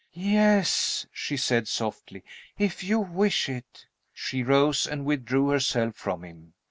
"Yes," she said, softly, "if you wish it." She rose and withdrew herself from him.